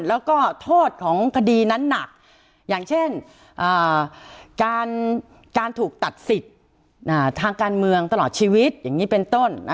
แล้วก็โทษของคดีนั้นหนักอย่างเช่นการถูกตัดสิทธิ์ทางการเมืองตลอดชีวิตอย่างนี้เป็นต้น